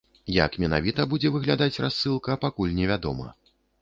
Як менавіта будзе выглядаць рассылка, пакуль невядома.